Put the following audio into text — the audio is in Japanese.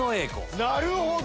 なるほど！